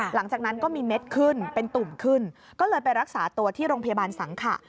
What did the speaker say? หลังจากนั้นก็มีเม็ดขึ้นเป็นตุ่มขึ้นก็เลยไปรักษาตัวที่โรงพยาบาลสังขะ